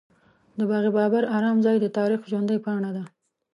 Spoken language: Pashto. د باغ بابر ارام ځای د تاریخ ژوندۍ پاڼه ده.